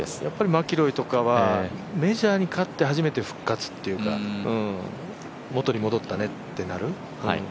マキロイとかはメジャーに勝って初めて復活っていうか元に戻ったねってなる。